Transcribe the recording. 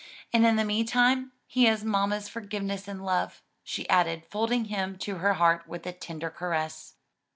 And in the meantime he has mamma's forgiveness and love," she added folding him to her heart with a tender caress.